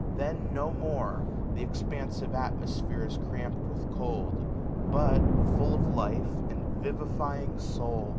Then no more Th'expansive atmosphere is cramp'd with cold ; But, full of life and vivifying soul.